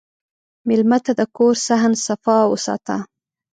مېلمه ته د کور صحن صفا وساته.